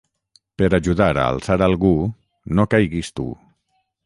Per ajudar a alçar algú, no caiguis tu.